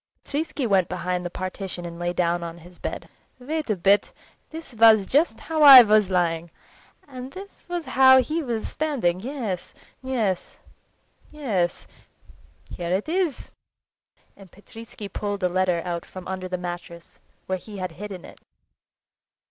Petritsky went behind the partition and lay down on his bed. "Wait a bit! This was how I was lying, and this was how he was standing. Yes—yes—yes.... Here it is!"—and Petritsky pulled a letter out from under the mattress, where he had hidden it.